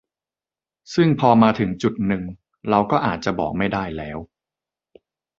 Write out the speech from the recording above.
ซึ่งพอมาถึงจุดนึง เราก็อาจจะบอกไม่ได้แล้ว